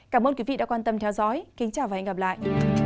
cảm ơn quý vị đã quan tâm theo dõi kính chào và hẹn gặp lại